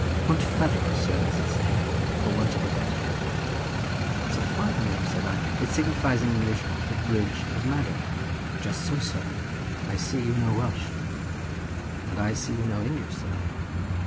"Pont Fadog, sir, is its name, for want of a better." "That's a fine name," said I; "it signifies in English the bridge of Madoc." "Just so, sir; I see you know Welsh." "And I see you know English," said I.